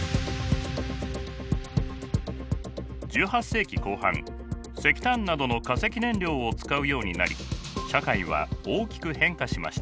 １８世紀後半石炭などの化石燃料を使うようになり社会は大きく変化しました。